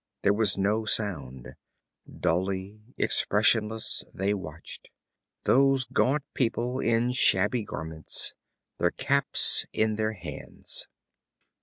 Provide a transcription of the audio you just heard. There was no sound; dully, expressionless they watched, those gaunt people in shabby garments, their caps in their hands.